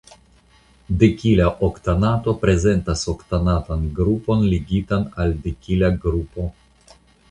Dekila oktanato prezentas oktanatan grupon ligitan al dekila grupo.